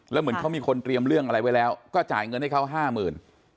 และเหมือนเขามีคนเตรียมเรื่องอะไรไว้แล้วก็จะจ่ายเงินได้เขา๕๐๐๐๐บาท